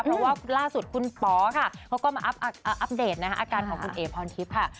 เพราะว่าล่าสุดคุณป๋อค่ะเขาก็มาอัปเดตอาการของคุณเอ๋พรทิพย์ค่ะ